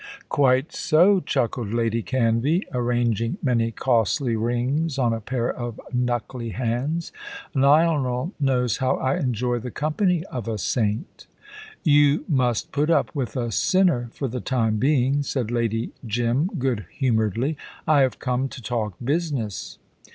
"Quite so," chuckled Lady Canvey, arranging many costly rings on a pair of knuckly hands. "Lionel knows how I enjoy the company of a saint." "You must put up with a sinner for the time being," said Lady Jim, good humouredly. "I have come to talk business."